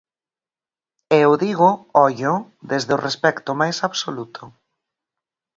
E o digo, ollo, desde o respecto mais absoluto.